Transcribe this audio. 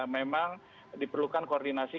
memang diperlukan koordinasi